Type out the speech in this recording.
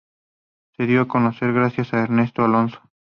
Se dio a conocer gracias a Ernesto Alonso.